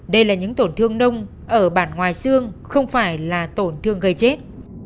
đây là những tổn thương nông ở bản ngoài xương không phải là tổn thương gây chết